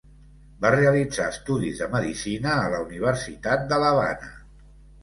Va realitzar estudis de Medicina a la Universitat de l'Havana.